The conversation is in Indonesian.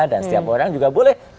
dan setiap orang juga boleh komen apa saja